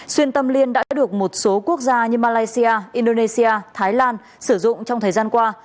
xuyên tâm liên đã được một số quốc gia như malaysia indonesia thái lan sử dụng trong thời gian qua